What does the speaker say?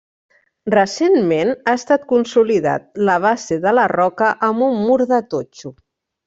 Recentment ha estat consolidat la base de la roca amb un mur de totxo.